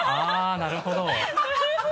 なるほど！